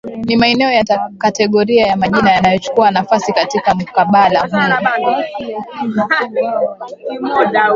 Ni maneno ya kategoria ya majina yanachukua nafasi katika mkabala huu